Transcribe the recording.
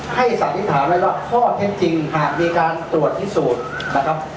ให้สันนิษฐานไว้ว่าข้อเท็จจริงหากมีการตรวจที่สูง